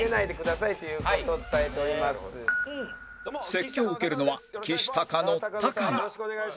説教を受けるのはきしたかの高野